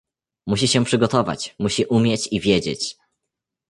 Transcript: "Musi się przygotować, musi umieć i wiedzieć."